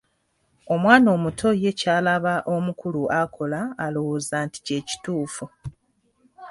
Omwana omuto ye ky’alaba omukulu akola alowooza nti kye kituufu.